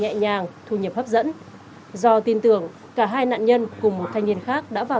nhẹ nhàng thu nhập hấp dẫn do tin tưởng cả hai nạn nhân cùng một thanh niên khác đã vào